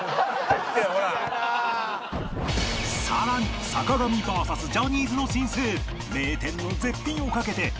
更に坂上 ＶＳ ジャニーズの新星